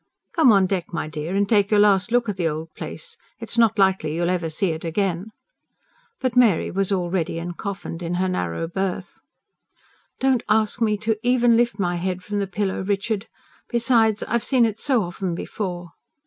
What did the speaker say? "Come on deck, my dear, and take your last look at the old place. It's not likely you'll ever see it again." But Mary was already encoffined in her narrow berth. "Don't ask me even to lift my head from the pillow, Richard. Besides, I've seen it so often before."